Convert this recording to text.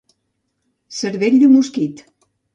Cervell de mosquit.